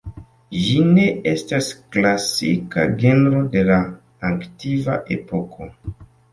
Ĝi ne estas klasika genro de la antikva epoko.